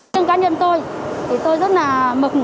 trên cá nhân tôi tôi rất là mực